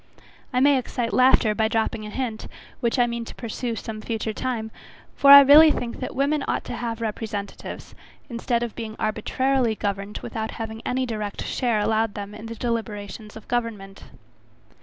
I may excite laughter, by dropping an hint, which I mean to pursue, some future time, for I really think that women ought to have representatives, instead of being arbitrarily governed without having any direct share allowed them in the deliberations of government.